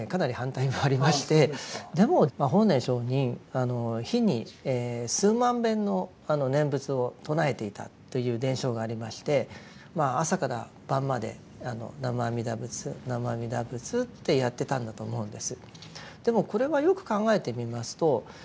でも法然上人日に数万遍の念仏を唱えていたという伝承がありましてまあ朝から晩まで南無阿弥陀仏南無阿弥陀仏ってやってたんだと思うんです。